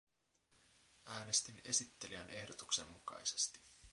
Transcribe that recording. Äänestin esittelijän ehdotuksen mukaisesti.